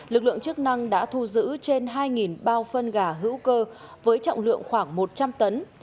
lực lượng chức năng đã thu giữ trên hai bao phân gà hữu cơ với trọng lượng khoảng một trăm linh tấn